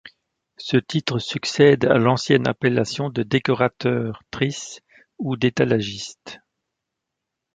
Ce titre succède à l'ancienne appellation de décorateur-trice ou d'étalagiste.